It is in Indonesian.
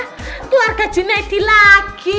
keluarga junaid lagi